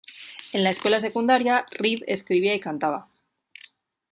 En la escuela secundaria, Reed escribía y cantaba.